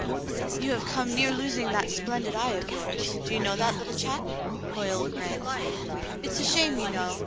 "You have come near losing that splendid eye of yours, do you know that, little chap V Hoyle grinned. "It's a shame, you know.